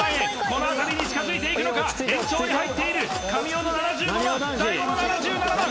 このあたりに近づいていくのか延長に入っている神尾の７５万大悟の７７万